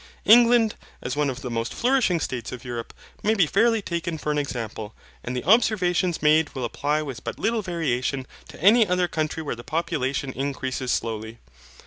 England, as one of the most flourishing states of Europe, may be fairly taken for an example, and the observations made will apply with but little variation to any other country where the population increases slowly.